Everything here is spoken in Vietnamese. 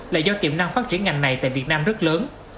là do tiềm năng phát triển ngành này tại việt nam rất lớn